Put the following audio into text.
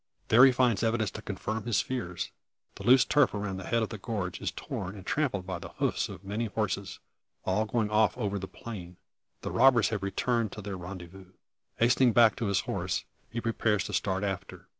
There he finds evidence to confirm his fears. The loose turf around the head of the gorge is torn and trampled by the hoofs of many horses, all going off over the plain. The robbers have returned to their rendezvous! Hastening back to his horse, he prepares to start after.